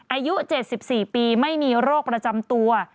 อายุ๗๔ปีไม่มีโรคประจำตัว